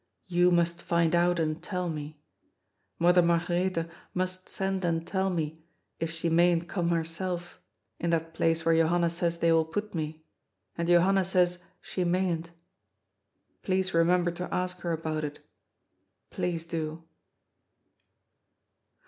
" You musfc find out and tell me. Mother Margaretha must send and tell me, if she mayn't come herself, in that place where Jo hanna says they will put me ; and Johanna says she mayn't. Please remember to ask her about it. Please do."